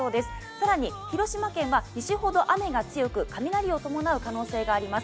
更に広島県は西ほど雨が強く雷を伴う可能性があります。